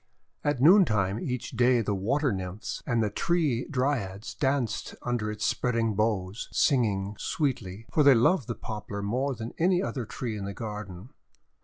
At noontime each day the Water Nymphs and the Tree Dryads danced under its spreading boughs, singing sweetly, for they loved the Poplar more than any other tree in the garden.